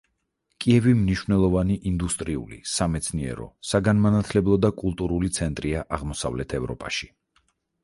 კიევი მნიშვნელოვანი ინდუსტრიული, სამეცნიერო, საგანმანათლებლო და კულტურული ცენტრია აღმოსავლეთ ევროპაში.